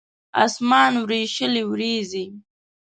اسمان وریشلې وریځې